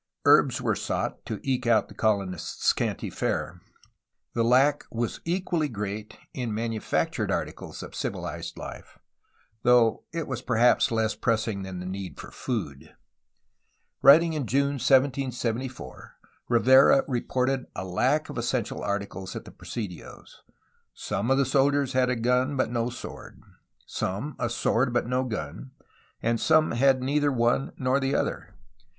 Herbs were sought to eke out the colonists' scanty fare. The lack was equally great in the manufactured articles of civilized Hfe, though it was perhaps less pressing than the need for food. Writing in June 1774 Rivera reported a lack of essential articles at the presidios. Some of the soldiers had a gun but no sword, some a sword but no gun, and some had neither one nor the other.